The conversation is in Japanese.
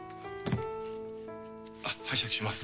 あっ拝借します。